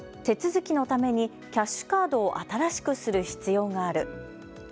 手続きのためにキャッシュカードを新しくする必要がある。